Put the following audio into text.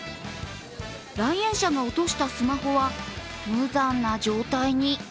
来園者が落としたスマホは無残な状態に。